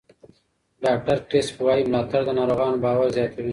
ډاکټر کریسپ وایي ملاتړ د ناروغانو باور زیاتوي.